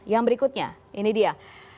yang berikutnya ini dia